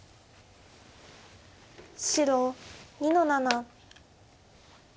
白２の七。